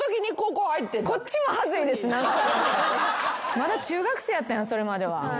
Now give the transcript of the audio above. まだ中学生やったんやそれまでは。